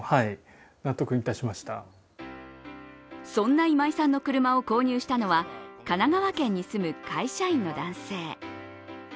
そんな今井さんの車を購入したのは神奈川県に住む会社員の男性。